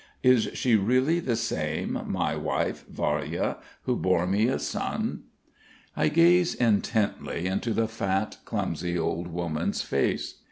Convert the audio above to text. Is she really the same, my wife Varya, who bore me a son? I gaze intently into the fat, clumsy old woman's face.